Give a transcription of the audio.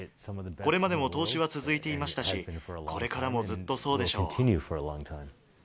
これまでも投資は続いていましたし、これからもずっとそうでしょう。